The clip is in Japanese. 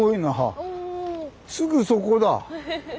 すぐそこだ。